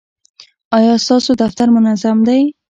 ایا ستاسو دفتر منظم دی؟